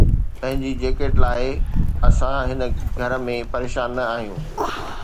پنھنجي جيڪٽ لاھي، اسان ھن گھر ۾ پريشان نه آھيون